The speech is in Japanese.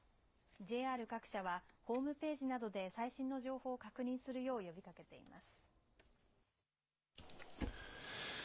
ＪＲ各社はホームページなどで最新の情報を確認するよう呼びかけています。